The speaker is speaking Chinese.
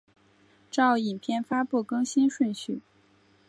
照影片发布更新顺序